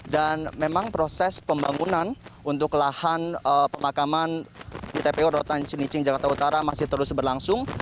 dan memang proses pembangunan untuk lahan pemakaman di tpu rorotan cilincing jakarta utara masih terus berlangsung